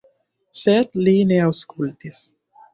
Sed li ne aŭskultis.